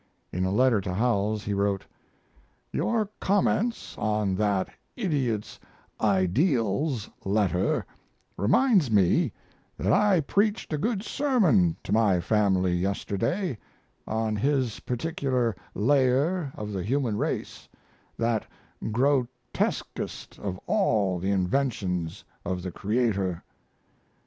In a letter to Howells he wrote: Your comments on that idiot's "Ideals" letter reminds me that I preached a good sermon to my family yesterday on his particular layer of the human race, that grotesquest of all the inventions of the Creator.